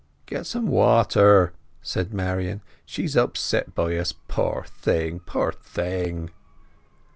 "Get some water," said Marian, "She's upset by us, poor thing, poor thing!"